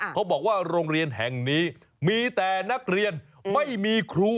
เขาบอกว่าโรงเรียนแห่งนี้มีแต่นักเรียนไม่มีครู